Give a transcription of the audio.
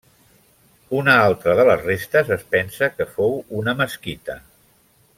Una altra de les restes es pensa que fou una mesquita.